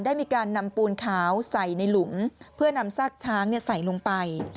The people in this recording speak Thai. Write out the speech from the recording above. ได้มีการนำปูนขาวใส่ในหลุมเพื่อนำซากช้างใส่ลงไป